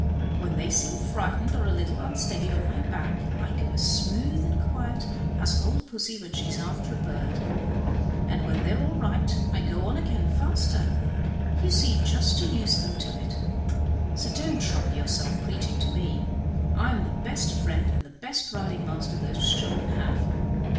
When they seem frightened or a little unsteady on my back I go as smooth and as quiet as old pussy when she is after a bird; and when they are all right I go on again faster, you see, just to use them to it; so don't you trouble yourself preaching to me; I am the best friend and the best riding master those children have.